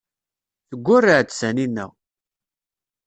Teggurreɛ-d Taninna.